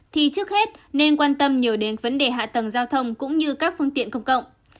thì trước hết nên quan tâm nhiều đến vấn đề hạ tầng giao thông cũng như các phương tiện công cộng